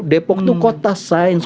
depok itu kota sains